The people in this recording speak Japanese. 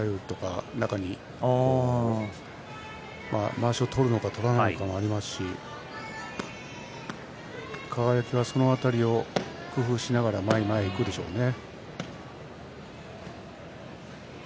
中にまわしを取るのか取らないのもありますし輝はその辺りを工夫しながら前に前にいくでしょうね。